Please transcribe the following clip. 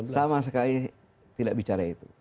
sama sekali tidak bicara itu